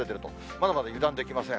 まだまだ油断できません。